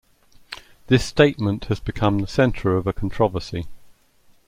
This statement has become the center of a controversy.